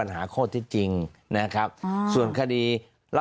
สวัสดีค่ะสวัสดีค่ะ